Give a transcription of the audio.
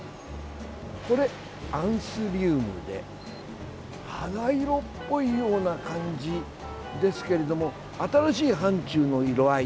これ、アンスリウムで肌色っぽいような感じですけれども新しい範ちゅうの色合い